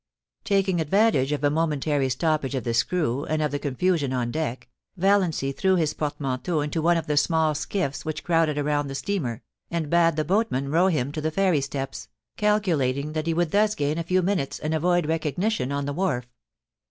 Taking advantage of a momentary stop page of the screw, and of the confusion on deck. Valiancy threw his portmanteau into one of the small skiffs which crowded round the steamer, and bade the boatman row him to the ferry steps, calculating that he would thus gain a few minutes and avoid recognition on the wharf.